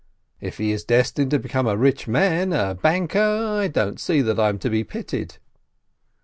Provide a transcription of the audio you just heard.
If he is destined to become a rich man, a banker, I don't see that I'm to be pitied."